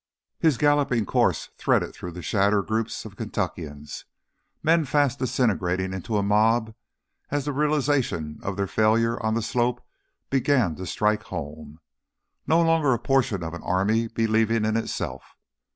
His galloping course threaded through the shattered groups of Kentuckians, men fast disintegrating into a mob as the realization of their failure on the slope began to strike home no longer a portion of an army believing in itself.